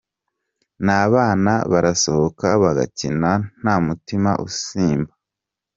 N'abana barasohoka bagakina nta mutima usimba.